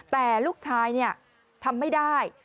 แต่ลูกชายเนี่ยทำไม่ได้